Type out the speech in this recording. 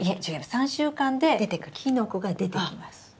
３週間でキノコが出てきます。